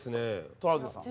トラウデンさんは？